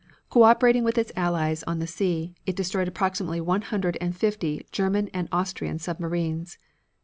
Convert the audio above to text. Co operating with its allies on the sea, it destroyed approximately one hundred and fifty German and Austrian submarines.